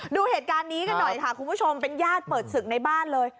ดูเหตุการณ์นี้กันหน่อยค่ะคุณผู้ชมเป็นญาติเปิดศึกในบ้านเลย